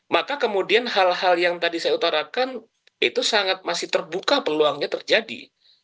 maka kemudian hal hal yang tadi saya utarakan itu sangat masih terbuka peluangnya terjadi